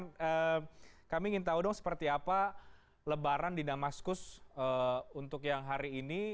mungkin kami ingin tahu dong seperti apa lebaran di damaskus untuk yang hari ini